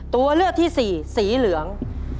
ตัวเลือกที่สี่สีเหลือง